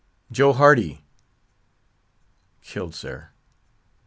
"Joe Hardy?" "Killed, sir."